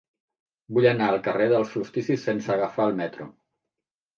Vull anar al carrer dels Solsticis sense agafar el metro.